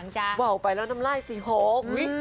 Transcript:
ว่าเอาไปแล้วนำไล่สี่หก